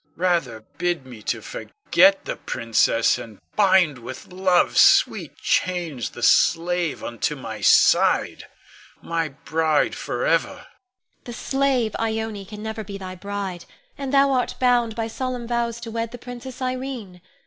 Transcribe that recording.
Rather bid me to forget the princess and bind with Love's sweet chains the slave unto my side, my bride forever. Ione. The slave Ione can never be thy bride, and thou art bound by solemn vows to wed the Princess Irene.